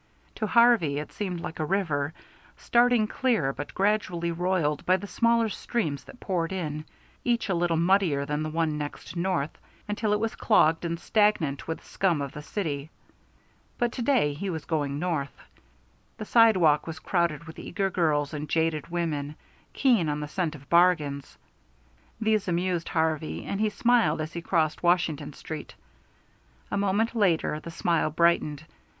To Harvey it seemed like a river, starting clear but gradually roiled by the smaller streams that poured in, each a little muddier than the one next north, until it was clogged and stagnant with the scum of the city. But to day he was going north. The sidewalk was crowded with eager girls and jaded women, keen on the scent of bargains. These amused Harvey, and he smiled as he crossed Washington Street. A moment later the smile brightened.